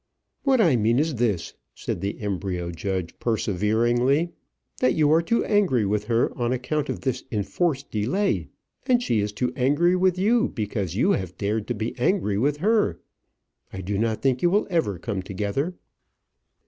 "What I mean is this," said the embryo judge, perseveringly, "that you are too angry with her on account of this enforced delay, and she is too angry with you because you have dared to be angry with her. I do not think you will ever come together."